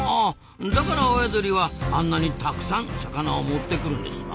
だから親鳥はあんなにたくさん魚を持ってくるんですな。